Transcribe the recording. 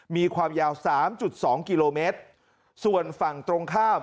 มีความยาว๓๒กิโลเมตรส่วนฝั่งตรงข้าม